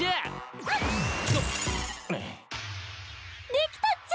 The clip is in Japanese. できたっちゃ。